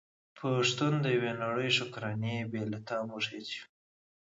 په شتون د يوه نړی شکرانې بې له تا موږ هيڅ يو ❤️